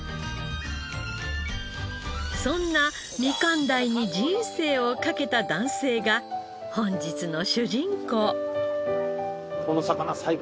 そんなみかん鯛に人生を懸けた男性が本日の主人公。